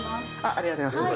ありがとうございます。